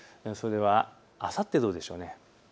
あさってはどうでしょう。